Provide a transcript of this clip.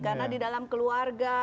karena di dalam keluarga